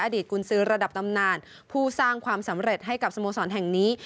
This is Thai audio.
ตกุญซื้อระดับตำนานผู้สร้างความสำเร็จให้กับสโมสรแห่งนี้